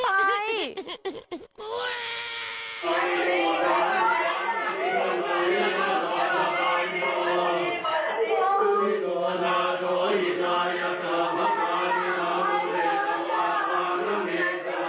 วิ่งวิสาหดีชนัยบุญมือจริงแล้วแต่แเปร่งที่ยังไอน้องดัน